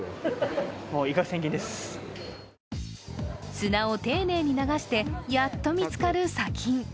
砂を丁寧に流して、やっと見つかる砂金。